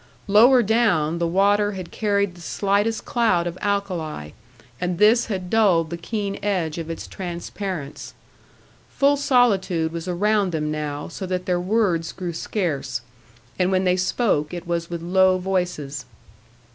Lower down, the water had carried the slightest cloud of alkali, and this had dulled the keen edge of its transparence. Full solitude was around them now, so that their words grew scarce, and when they spoke it was with low voices.